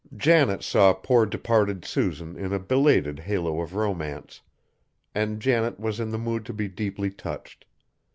Janet saw poor departed Susan in a belated halo of romance, and Janet was in the mood to be deeply touched.